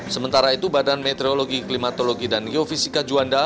sementara itu badan meteorologi klimatologi dan geofisika juanda